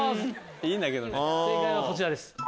正解はこちらです。